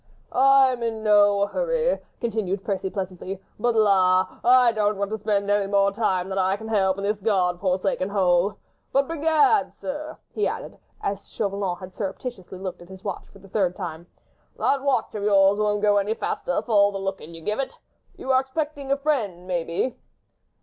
"I am in no hurry," continued Percy, pleasantly, "but, la! I don't want to spend any more time than I can help in this God forsaken hole! But, begad! sir," he added, as Chauvelin had surreptitiously looked at his watch for the third time, "that watch of yours won't go any faster for all the looking you give it. You are expecting a friend, maybe?"